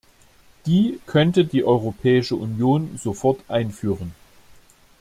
Die könnte die Europäische Union sofort einführen.